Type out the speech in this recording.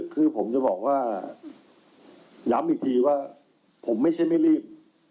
คือผมจะบอกว่าย้ำอีกทีว่าผมไม่ใช่ไม่รีบ